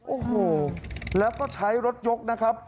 โอ้โหแล้วก็ใช้รถยกนะครับ